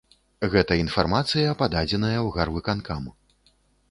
Гэта інфармацыя пададзеная ў гарвыканкам.